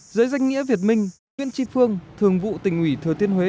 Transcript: dưới danh nghĩa việt minh huyện tri phương thường vụ tỉnh ủy thừa thiên huế